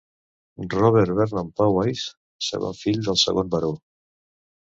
Robert Vernon Powys, segon fill del segon Baró.